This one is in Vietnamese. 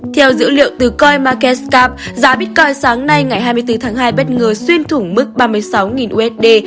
theo dữ liệu từ coi marketskab giá bitcoin sáng nay ngày hai mươi bốn tháng hai bất ngờ xuyên thủng mức ba mươi sáu usd